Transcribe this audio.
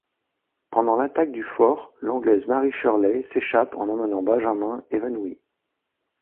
Pendant l'attaque du fort l'anglaise Mary Shirley s'échappe en emmenant Benjamin évanoui.